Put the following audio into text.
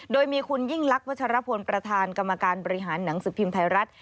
โดยมีคุณยิ่งลักษรพลประธานกรรมการบริหารหนังสือพิมพ์ไทยรัฐ